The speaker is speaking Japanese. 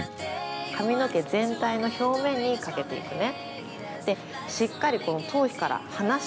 髪の毛全体の表面にかけていくね。